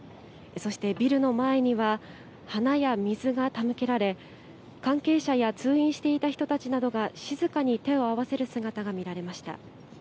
そしてビルの前には花や水が手向けられ関係者や通院していた人たちなどが静かに手を合わせる姿が見られました。